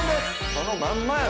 そのまんまや！